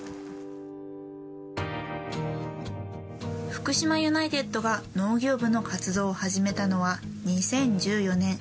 福島ユナイテッドが農業部の活動を始めたのは２０１４年。